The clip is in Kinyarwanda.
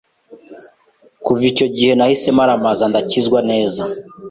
kuva icyo gihe nahise maramaza ndakizwa neza,